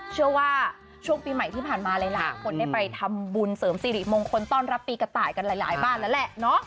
เชื่อว่าช่วงปีใหม่ที่ผ่านมาหลายคนได้ไปทำบุญเสริมสิริมงคลต้อนรับปีกระต่ายกันหลายบ้านแล้วแหละเนาะ